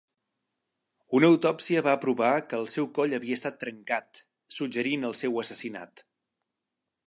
Una autòpsia va provar que el seu coll havia estat trencat, suggerint el seu assassinat.